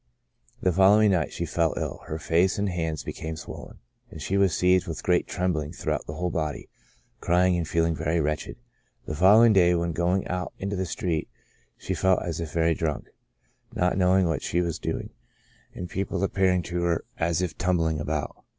The following night she fell ill ; her face and hands became swollen, and she was seized with great trembling throughout the whole body ; crying, and feeling very wretched. The following day, when going out into the street, she felt as if very drunk, not knowing what she was doing, and people appearing to her as if tumbling about.